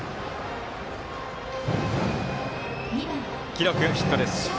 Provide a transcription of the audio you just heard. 記録はヒットです。